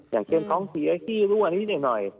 อย่างเช่นท้องเสียขี้รั่วนิดหน่อย